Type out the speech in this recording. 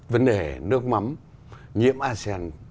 vấn đề nước mắm nhiễm asean